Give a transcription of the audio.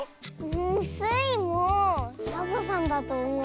んスイもサボさんだとおもう。